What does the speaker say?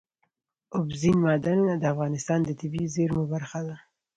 اوبزین معدنونه د افغانستان د طبیعي زیرمو برخه ده.